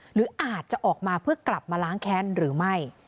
หรืออาจจะออกมาเพื่อกลับมาล้างแค้นหรือไม่